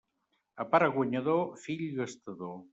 A pare guanyador, fill gastador.